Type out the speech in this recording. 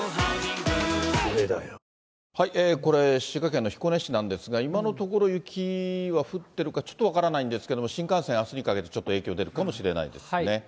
滋賀県の彦根市なんですが、今のところ、雪は降ってるかちょっと分からないんですけれども、新幹線、あすにかけて影響出るかもしれないですね。